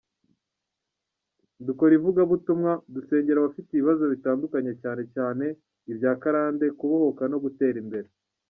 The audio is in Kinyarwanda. Dukora ivugabutumwa, dusengera abafite ibibazo bitandukanye cyane cyane ibya karande kubohoka no gutera imbere.